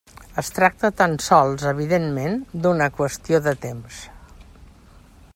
Es tracta tan sols evidentment d'una qüestió de temps.